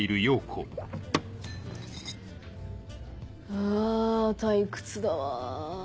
あ退屈だわ。